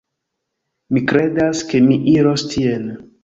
Mi kredas, ke mi iros tien.